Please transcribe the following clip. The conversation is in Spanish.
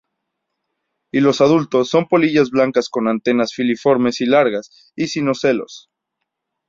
Y los adultos son polillas blancas con antenas filiformes y largas y sin ocelos.